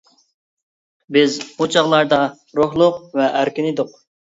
بىز ئۇ چاغلاردا روھلۇق ۋە ئەركىن ئىدۇق.